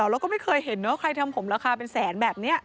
แล้วก็ไม่เคยเห็นนะว่าใครทำผมราคาเป็นแสนแบบนี้